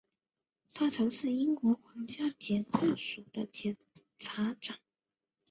他曾是英国皇家检控署的检察长。